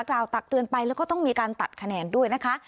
ตักเตือนไปแล้วก็ต้องมีการตัดคะแนนด้วยนะคะ